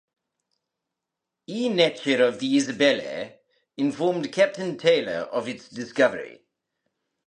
E. Netcher of the "Isabella" informed Captain Taylor of its discovery.